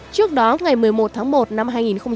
trước đó ngày một mươi một tháng một năm hai nghìn một mươi tám